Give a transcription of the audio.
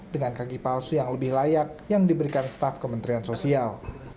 dengan kaki palsu yang lebih layak yang diberikan staf kementerian sosial